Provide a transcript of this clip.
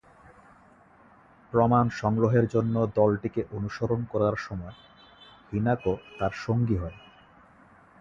প্রমাণ সংগ্রহের জন্য দলটিকে অনুসরণ করার সময় হিনাকো তার সঙ্গী হয়।